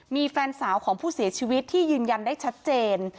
มีแฟนสาวของผู้เสียชีวิตที่ยืนยันได้ชัดเจน